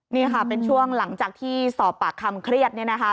นี่ค่ะเป็นช่วงหลังจากที่สอบปากคำเครียด